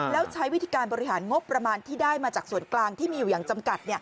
แล้วใช้วิธีการบริหารงบประมาณที่ได้มาจากส่วนกลางที่มีอยู่อย่างจำกัด